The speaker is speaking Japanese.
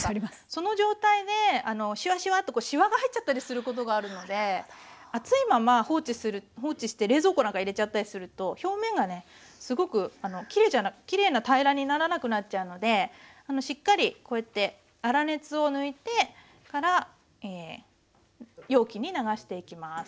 その状態でシワシワッとしわが入っちゃったりすることがあるので熱いまま放置して冷蔵庫なんか入れちゃったりすると表面がねすごくきれいな平らにならなくなっちゃうのでしっかりこうやって粗熱を抜いてから容器に流していきます。